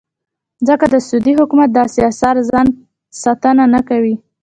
ځکه د سعودي حکومت داسې اثارو ساتنه نه کوي.